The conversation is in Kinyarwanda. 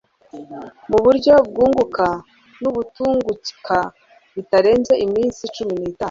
mu buryo bwunguka n'ubutunguka bitarenze iminsi cumi n'itanu